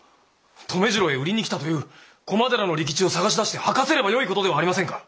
留次郎へ売りに来たという駒寺の利吉を捜し出して吐かせればよい事ではありませんか！